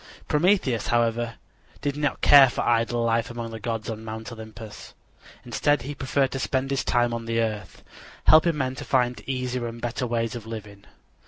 Prometheus, however, did not care for idle life among the gods on Mount Olympus. Instead he preferred to spend his time on the earth, helping men to find easier and better ways of living.